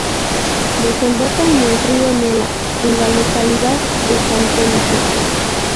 Desemboca en el río Nela, en la localidad de Santelices.